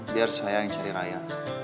biar saya yang cari raya